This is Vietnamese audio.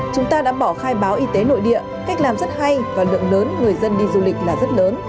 chúng ta đã bỏ khai báo y tế nội địa cách làm rất hay và lượng lớn người dân đi du lịch là rất lớn